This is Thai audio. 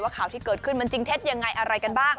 ข่าวที่เกิดขึ้นมันจริงเท็จยังไงอะไรกันบ้าง